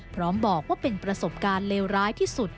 พร้อมบอกว่าเป็นประสบการณ์เลวร้ายที่สุด